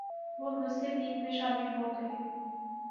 وہ مسلم لیگ میں شامل ہوگئے